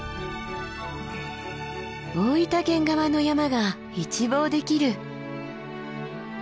大分県側の山が一望できる。